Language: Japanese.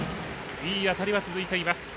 いい当たりは続いています。